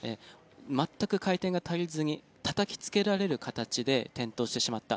全く回転が足りずにたたきつけられる形で転倒してしまった。